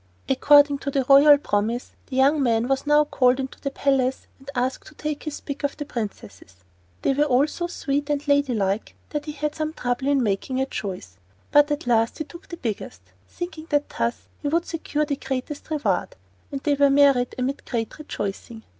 According to the royal promise, the young man was now called into the palace and asked to take his pick of the princesses. There were all so sweet and lady like that he had some trouble in making a choice; but at last he took the biggest, thinking that he would thus secure the greatest reward, and they were married amid great rejoicing.